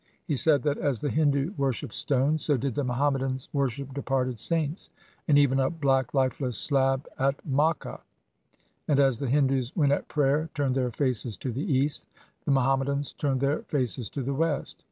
He said that as the Hindu worshipped stones, so did the Muhammadans wor ship departed saints and even a black lifeless slab at Makka ; and as the Hindus when at prayer turned their faces to the east, the Muhammadans turned their faces to the west.